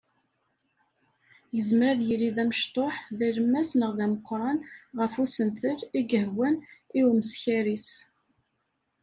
Yezmer ad yili d amecṭuḥ, d alemmas neɣ d ameqqran ɣef usentel i yehwan i umeskar-is.